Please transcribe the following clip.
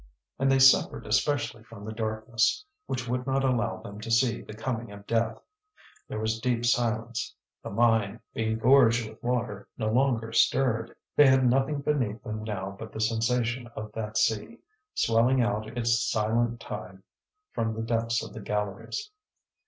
and they suffered especially from the darkness, which would not allow them to see the coming of death. There was deep silence; the mine, being gorged with water, no longer stirred. They had nothing beneath them now but the sensation of that sea, swelling out its silent tide from the depths of the galleries.